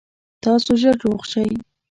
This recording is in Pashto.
تاسو ژر روغ شئ